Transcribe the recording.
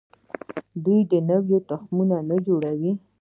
آیا دوی نوي تخمونه نه جوړوي؟